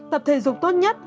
tập thể dục tốt nhất